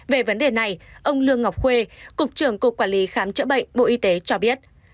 về vấn đề này ông lương ngọc khuê cục trưởng cục quản lý khám chữa bệnh bộ y tế cho biết